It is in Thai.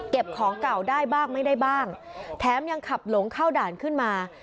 ของเก่าได้บ้างไม่ได้บ้างแถมยังขับหลงเข้าด่านขึ้นมา